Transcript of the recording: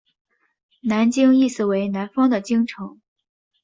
南京意思为南方的京城。